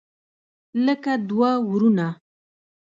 لکه دوه ورونه.